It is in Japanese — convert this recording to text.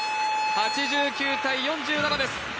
８９−４７です。